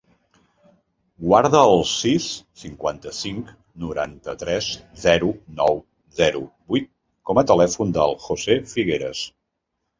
Guarda el sis, cinquanta-cinc, noranta-tres, zero, nou, zero, vuit com a telèfon del José Figueras.